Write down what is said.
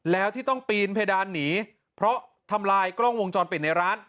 แล้วที่ต้องปีนเพดานหนีเพราะทำลายกล้องวงจรปิดในร้าน